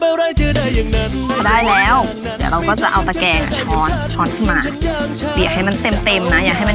อยากได้สีอะไรก็เอาสีที่ใส่ในขั้นตอนนี้เลย